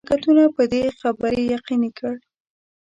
حرکتونو په دې خبري یقیني کړ.